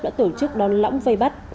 đã tổ chức đón lõng vây bắt